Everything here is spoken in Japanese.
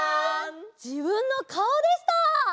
じぶんのかおでした！